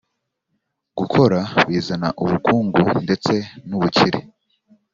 Gukora Bizana ubukungu ndetse n’ubukire